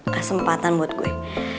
kasempatan buat gue